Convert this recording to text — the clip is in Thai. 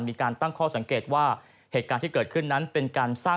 มีการตั้งข้อสังเกตว่าเหตุการณ์ที่เกิดขึ้นนั้นเป็นการสร้าง